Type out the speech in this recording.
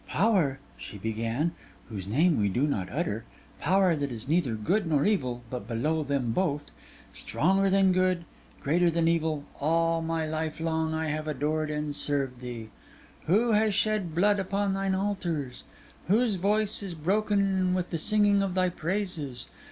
'Power,' she began, 'whose name we do not utter; power that is neither good nor evil, but below them both; stronger than good, greater than evil—all my life long I have adored and served thee. Who has shed blood upon thine altars? whose voice is broken with the singing of thy praises?